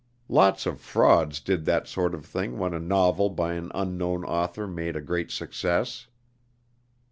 Lots of frauds did that sort of thing when a novel by an unknown author made a great success.